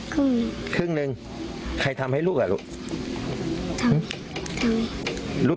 ครึ่งครึ่งนึงใครทำให้ลูกอย่างนี้ลูก